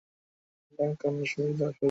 Duncan একজন সঙ্গীতজ্ঞ ও সুরকার।